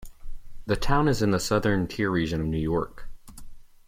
The town is in the Southern Tier region of New York.